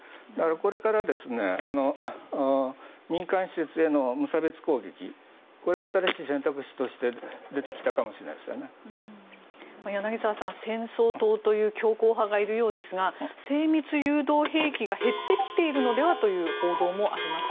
これから民間施設への無差別攻撃が柳澤さん、戦争党という強硬派がいるようですが精密誘導兵器が減ってきているのではという報道もあります。